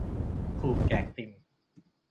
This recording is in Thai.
ขู่แจกซิม